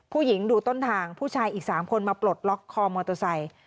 ผู้หญิงดูต้นทางผู้ชายอีก๓คนมาปลดล็อคคอมมอโตไซค์